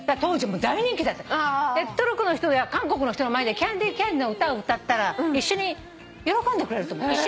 トルコの人や韓国の人の前で『キャンディキャンディ』の歌歌ったら一緒に喜んでくれると思う。